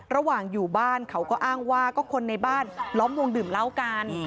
ระหว่างอยู่บ้านเขาก็อ้างว่าก็คนในบ้านล้อมวงดื่มเหล้ากัน